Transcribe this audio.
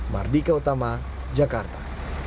mardika utama jakarta